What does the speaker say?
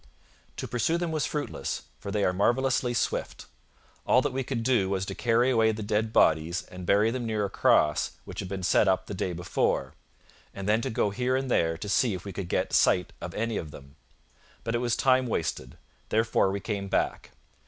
To pursue them was fruitless, for they are marvellously swift. All that we could do was to carry away the dead bodies and bury them near a cross which had been set up the day before, and then to go here and there to see if we could get sight of any of them. But it was time wasted, therefore we came back.